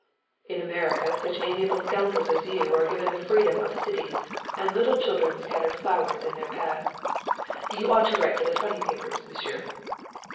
"In America such amiable scoundrels as you are given the freedom of cities, and little children scatter flowers in their path. You ought to write for the funny papers, Monsieur."